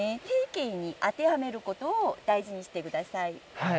定型に当てはめることを大事にして下さい。